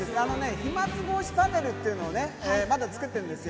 飛まつ防止パネルっていうのをね、まだ作ってるんですよ。